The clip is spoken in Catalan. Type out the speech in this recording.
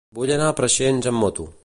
Vull anar a Preixens amb moto.